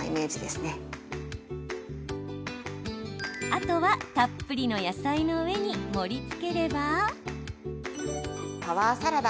あとは、たっぷりの野菜の上に盛りつければ。